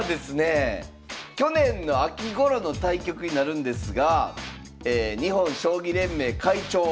去年の秋ごろの対局になるんですが日本将棋連盟会長佐藤